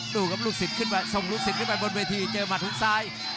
โดนกับลูกศิษย์ส่งลูกศิษย์ไปกับเจอมัดหุ้กซ้าย